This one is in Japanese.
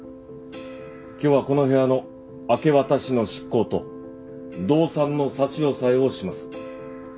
今日はこの部屋の明け渡しの執行と動産の差し押さえをします。